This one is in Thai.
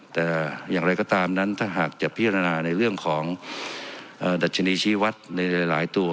แต่อย่างไรก็ตามนั้นถ้าหากจะพิจารณาในเรื่องของดัชนีชีวัตรในหลายตัว